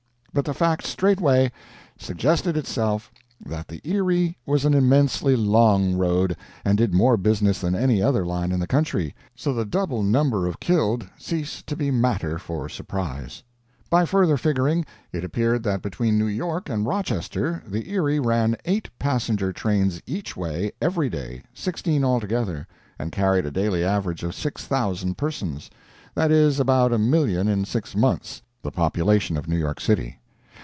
But the fact straightway suggested itself that the Erie was an immensely long road, and did more business than any other line in the country; so the double number of killed ceased to be matter for surprise. By further figuring, it appeared that between New York and Rochester the Erie ran eight passenger trains each way every day 16 altogether; and carried a daily average of 6,000 persons. That is about a million in six months the population of New York City.